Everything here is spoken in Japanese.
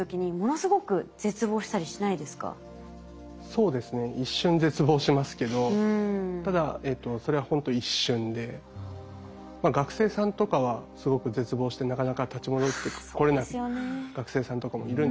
そうですね一瞬絶望しますけどただそれはほんと一瞬で学生さんとかはすごく絶望してなかなか立ち戻ってこれない学生さんとかもいるんですけど。